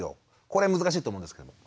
これ難しいと思うんですけども。